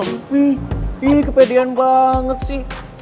tapi ih kepedean banget sih